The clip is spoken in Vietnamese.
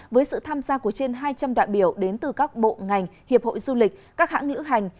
với sự tham gia của trên hai trăm linh đại biểu đến từ các bộ ngành hiệp hội du lịch các hãng lữ hành